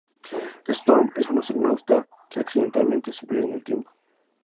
Storm es un astronauta que accidentalmente se pierde en el tiempo.